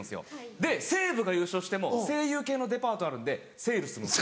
で西武が優勝しても西友系のデパートあるんでセールするんです。